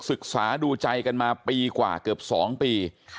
ศึกษาดูใจกันมาปีกว่าเกือบ๒ปี